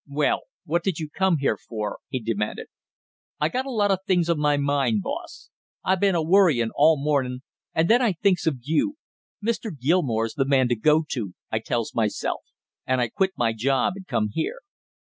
"Well, what did you come here for?" he demanded. "I got a lot of things on my mind, boss! I been a worryin' all morning and then I thinks of you. 'Mr. Gilmore's the man to go to,' I tells myself, and I quit my job and come here."